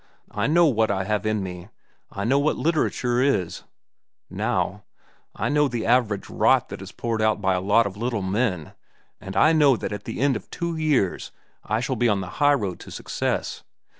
I know what I have in me; I know what literature is, now; I know the average rot that is poured out by a lot of little men; and I know that at the end of two years I shall be on the highroad to success.